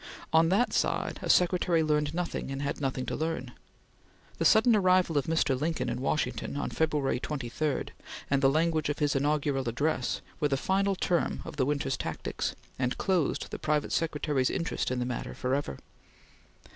On that side a secretary learned nothing and had nothing to learn. The sudden arrival of Mr. Lincoln in Washington on February 23, and the language of his inaugural address, were the final term of the winter's tactics, and closed the private secretary's interest in the matter forever.